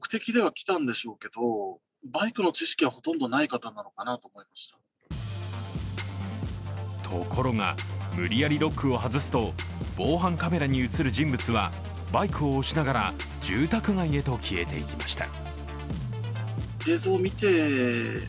この様子についてところが、無理やりロックを外すと、防犯カメラに映る人物はバイクを押しながら住宅街へと消えていきました。